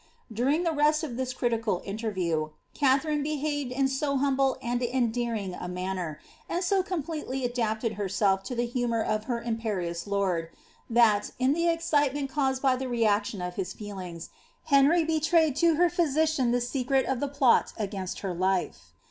During the rest of this critical interview, Katharine behaved in so humble and endearing a manner. md so completely adapted herself to the humour of her imperious lord, that, in the excitement caused by the reaction of his feelings, Henry betrayed to her physician the secret of the plot against her life.